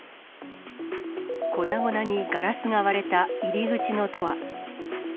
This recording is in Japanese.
粉々にガラスが割れた入り口のドア。